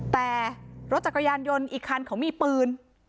แต่รถจักรยานยนต์อีกคันเขามีปืน